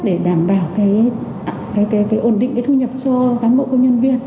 để đảm bảo cái ổn định cái thu nhập cho cán bộ công nhân viên